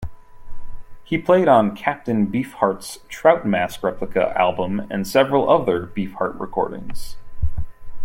He played on Captain Beefheart's "Trout Mask Replica" album and several other Beefheart recordings.